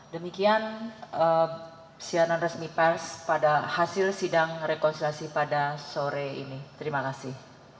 demikian cnn resmi pers pada hasil sidang rekonsiliasi pada sore ini terima kasih